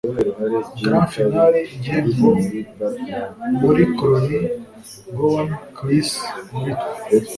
Grand finale igihembo muri clonie gowan chris muri twe.